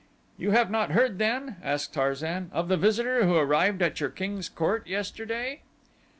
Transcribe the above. "You have not heard then," asked Tarzan, "of the visitor who arrived at your king's court yesterday?"